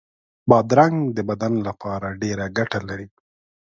بادرنګ د بدن لپاره ډېره ګټه لري.